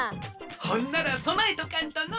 ほんならそなえとかんとの！